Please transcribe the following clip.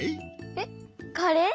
へっカレー？